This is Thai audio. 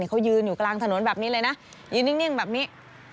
เขายืนอยู่กลางถนนแบบนี้เลยนะยืนนิ่งแบบนี้